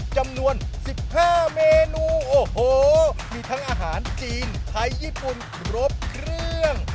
จำนวน๑๕เมนูโอ้โหมีทั้งอาหารจีนไทยญี่ปุ่นครบเครื่อง